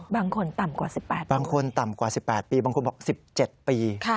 บางคนต่ำกว่า๑๘ปีบางคนบอกสิบเจ็ดปี